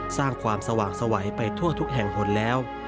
สร้างความสว่างสวัยไปทั่วทุกแห่งผลแล้ว